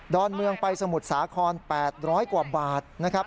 อนเมืองไปสมุทรสาคร๘๐๐กว่าบาทนะครับ